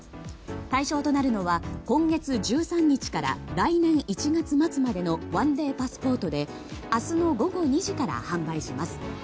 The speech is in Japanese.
対象となるのは、今月１３日から来年１月末までの１デーパスポートで明日の午後２時から販売します。